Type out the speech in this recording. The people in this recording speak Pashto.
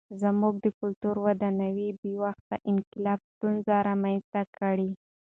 زموږ د کلتوري ودانیو بې وخته انقلاب ستونزې رامنځته کړې.